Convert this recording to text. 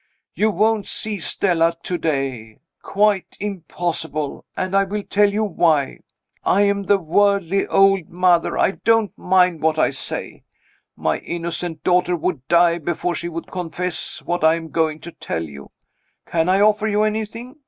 You won't see Stella to day. Quite impossible and I will tell you why. I am the worldly old mother; I don't mind what I say. My innocent daughter would die before she would confess what I am going to tell you. Can I offer you anything?